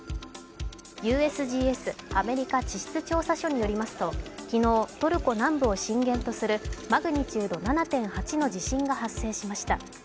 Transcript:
ＵＳＧＳ＝アメリカ地質調査所によりますと昨日、トルコ南部を震源とするマグニチュード７．８の地震が発生しました。